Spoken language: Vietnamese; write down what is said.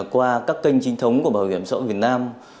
qua các kênh chính thống của bảo hiểm xã hội việt nam